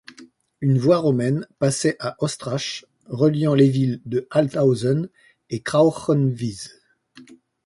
Une voie romaine passait à Ostrach, reliant les villes de Altshausen et Krauchenwies.